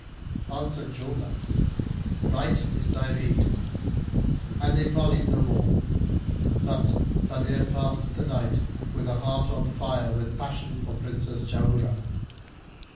Answered Julnar, "Right is thy rede;" and they parleyed no more: but Badr passed the night with a heart on fire with passion for Princess Jauharah.